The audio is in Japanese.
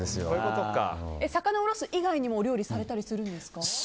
魚をおろす以外にもお料理されたりするんですか？